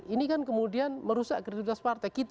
ini kan kemudian merusak kreditas partai